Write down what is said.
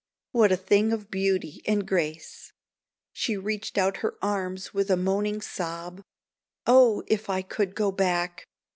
What a thing of beauty and grace!" She reached out her arms with a moaning sob: "Oh, if I could go back!"